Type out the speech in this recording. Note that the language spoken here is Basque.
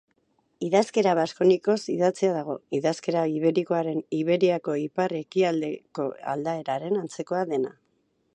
Idazkera baskonikoz idatzia dago, idazkera iberikoaren Iberiako ipar-ekialdeko aldaeraren antzekoa dena